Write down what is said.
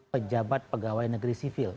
pejabat pegawai negeri sivil